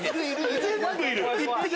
全部いる！